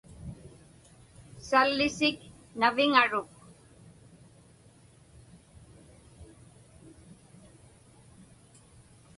Sallisik naviŋaruk.